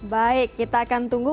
baik kita akan tunggu